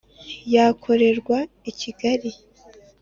yakorerwa I Kigali